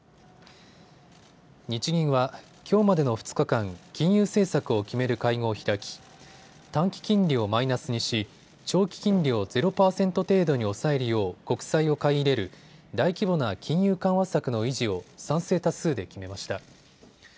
日銀は、きょうまでの２日間、金融政策を決める会合を開き短期金利をマイナスにし長期金利を０％程度に抑えるよう国債を買い入れる大規模な金融緩和策の維持を賛成多数で決めました。